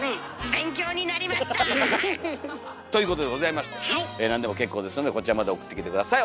勉強になりました！ということでございまして何でも結構ですのでこちらまで送ってきて下さい。